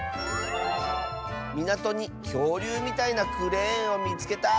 「みなとにきょうりゅうみたいなクレーンをみつけた！」。